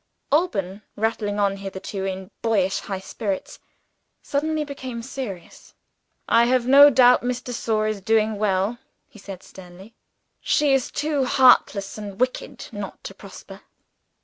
Alban, rattling on hitherto in boyish high spirits, suddenly became serious. "I have no doubt Miss de Sor is doing well," he said sternly. "She is too heartless and wicked not to prosper."